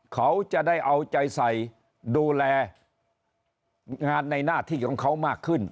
เขาจะได้เอาใจใส่ดูแลงานในหน้าที่ของเขามากขึ้น